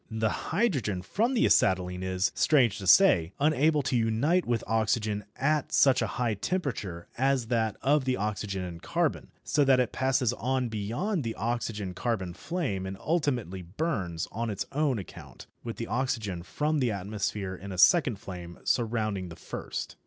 The hydrogen from the acetylene is, strange to say, unable to unite with oxygen at such a high temperature as that of the oxygen and carbon, so that it passes on beyond the oxygen carbon flame and ultimately burns on its own account with the oxygen from the atmosphere in a second flame surrounding the first.